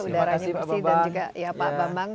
terima kasih pak bambang